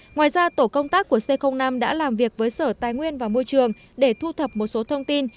ngoài ra tổ công tác của c năm đã làm việc với sở tài nguyên và môi trường để thu thập một số thông tin